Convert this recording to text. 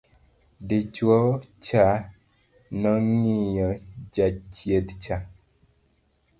dichuo cha nong'iyo jachieth cha